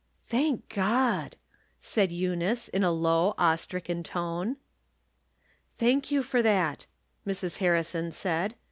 •" Thank God I " said Eunice, in a low, awe stricken tone. " Thank you for that," Mrs. Harrison said.